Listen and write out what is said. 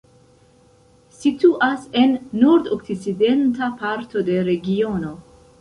Situas en nordokcidenta parto de regiono.